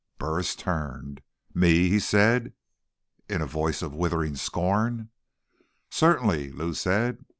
Burris turned. "Me?" he said in a voice of withering scorn. "Certainly," Lou said.